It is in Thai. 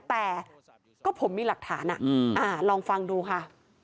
แต่ก็ผมมีหลักฐานลองฟังดูค่ะ